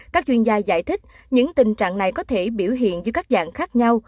các chuyên gia giải thích những tình trạng này có thể biểu hiện dưới các dạng khác nhau